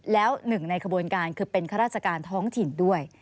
แล้วหนึ่งในขบวนการคือเป็นข้าราชการท้องถิ่นด้วย